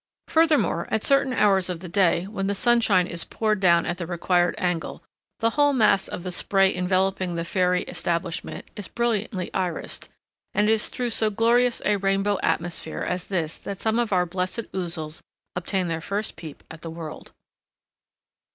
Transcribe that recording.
Furthermore, at certain hours of the day, when the sunshine is poured down at the required angle, the whole mass of the spray enveloping the fairy establishment is brilliantly irised; and it is through so glorious a rainbow atmosphere as this that some of our blessed ouzels obtain their first peep at the world.